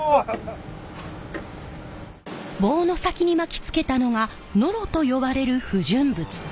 棒の先に巻きつけたのがノロと呼ばれる不純物。